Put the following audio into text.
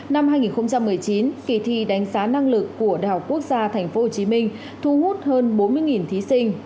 năm hai nghìn một mươi chín kỳ thi đánh giá năng lực của đại học quốc gia tp hcm thu hút hơn bốn mươi thí sinh